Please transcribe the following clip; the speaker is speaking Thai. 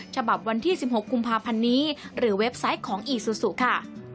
ฉบับวันที่๑๖กุมภาพันธ์นี้หรือเว็บไซต์ของอีซูซูค่ะ